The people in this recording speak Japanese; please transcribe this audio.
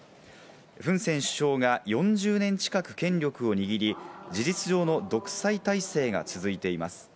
フン・セン首相が４０年近く権力を握り、事実上の独裁体制が続いています。